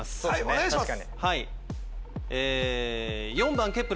お願いします。